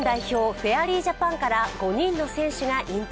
フェアリージャパンから５人の選手が引退。